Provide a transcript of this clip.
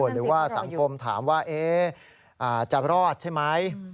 หรือว่าสังคมถามว่าจะรอดใช่ไหม